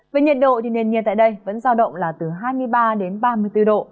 về nhiệt độ thì nền nhiệt tại đây vẫn giao động là từ hai mươi ba đến ba mươi bốn độ